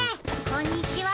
こんにちは。